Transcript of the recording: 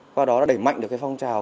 qua đó đã đẩy mạnh được cái phong trào